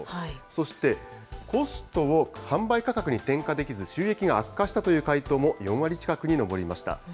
そして、コストを販売価格に転嫁できず、収益が悪化したという回答も４割近くに上りました。